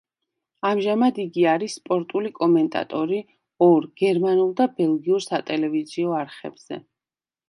ამჟამად იგი არის სპორტული კომენტატორი ორ, გერმანულ და ბელგიურ სატელევიზიო არხებზე.